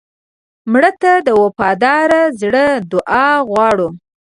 مړه ته د وفادار زړه دعا غواړو